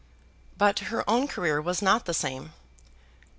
But her own career was not the same.